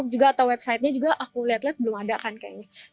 laptop juga atau website nya juga aku lihat lihat belum ada kan kayaknya